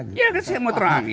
ya saya mau terangin